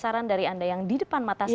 saran dari anda yang di depan mata saat ini